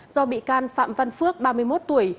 do bị can phạm văn phước ba mươi một tuổi